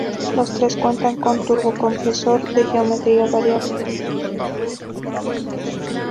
Los tres cuentan con turbocompresor de geometría variable, inyección directa e intercooler.